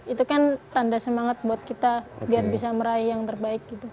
itu kan tanda semangat buat kita biar bisa meraih yang terbaik gitu